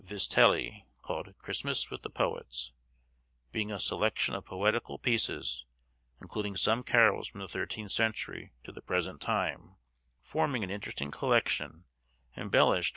Vizetelly, called 'Christmas with the Poets,' being a selection of poetical pieces, including some carols from the thirteenth century to the present time, forming an interesting collection, embellished with fine woodcuts.